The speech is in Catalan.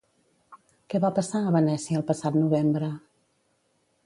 Què va passar a Venècia el passat novembre?